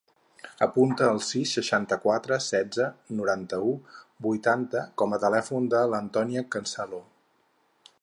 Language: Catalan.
Apunta el sis, seixanta-quatre, setze, noranta-u, vuitanta com a telèfon de l'Antònia Cancelo.